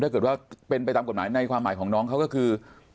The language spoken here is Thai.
ถ้าเกิดว่าเป็นไปตามกฎหมายในความหมายของน้องเขาก็คือ